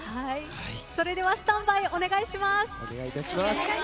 それではスタンバイお願いします。